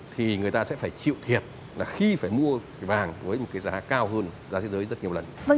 thì người ta sẽ phải chịu thiệt là khi phải mua cái vàng với một cái giá cao hơn giá thế giới rất nhiều lần